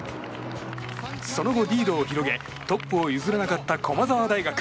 その後、リードを広げトップを譲らなかった駒澤大学。